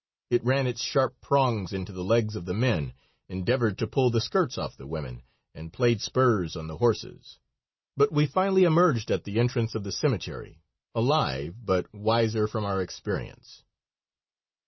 It ran its sharp prongs into the legs of the men, endeavored to pull the skirts off the women, and played spurs on the horses; but we finally emerged at the entrance of the cemetery, alive, but wiser from our experience.